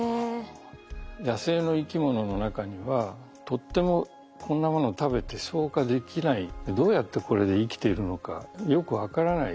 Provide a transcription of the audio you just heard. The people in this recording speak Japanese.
野生の生き物の中にはとってもこんなものを食べて消化できないどうやってこれで生きてるのかよく分からない